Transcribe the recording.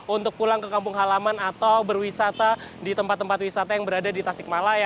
untuk pulang ke kampung halaman atau berwisata di tempat tempat wisata yang berada di tasikmalaya